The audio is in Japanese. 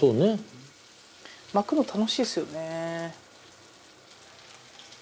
巻くの楽しいですよね。